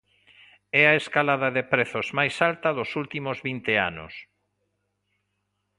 É a escalada de prezos máis alta dos últimos vinte anos.